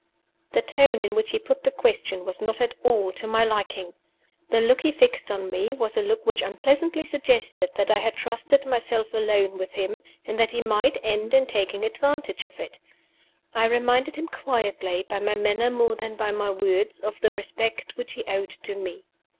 The tone in which he put the question was not at all to my liking. The look he fixed on me was a look which unpleasantly suggested that I had trusted myself alone with him, and that he might end in taking advantage of it. I reminded him quietly, by my manner more than by my words, of the respect which he owed to me.